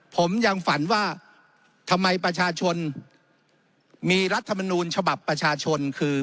ผมยังฝันว่าทำไมประชาชนมีรัฐมนูลฉบับประชาชนคือ